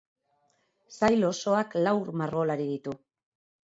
Sail osoak lau margolan ditu.